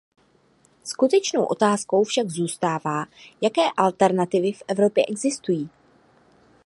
Skutečnou otázkou však zůstává, jaké alternativy v Evropě existují?